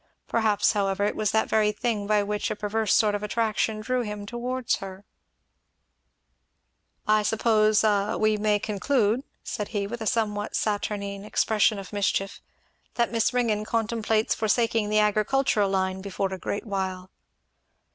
Perhaps however it was that very thing which by a perverse sort of attraction drew him towards her. "I suppose a we may conclude," said he with a somewhat saturnine expression of mischief, that Miss Ringgan contemplates forsaking the agricultural line before a great while."